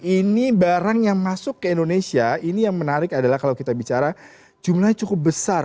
ini barang yang masuk ke indonesia ini yang menarik adalah kalau kita bicara jumlahnya cukup besar